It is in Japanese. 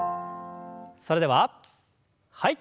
それでははい。